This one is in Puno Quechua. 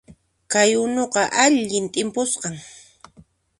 Kay unuqa allin t'impusqan